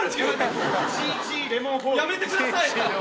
⁉やめてください！